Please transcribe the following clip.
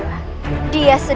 mungkin kesalahannya sangat besar